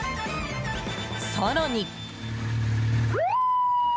更に。